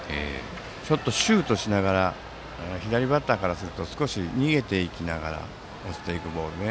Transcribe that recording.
ちょっとシュートしながら左バッターからすると少し逃げていきながら落ちていくボールで。